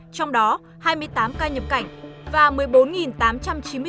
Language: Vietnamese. trong đó hai mươi tám ca nhập cảnh và một mươi bốn tám trăm chín mươi bốn ca nhiễm mới